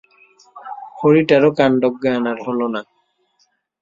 হরিটারও কাণ্ডজ্ঞান আর হল না।